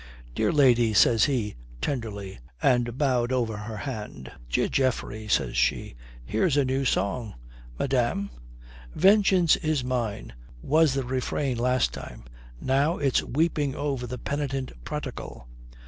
"Dear lady," says he tenderly, and bowed over her hand. "Dear Geoffrey," says she. "Here's a new song." "Madame?" "'Vengeance is mine' was the refrain last time. Now it's weeping over the penitent prodigal.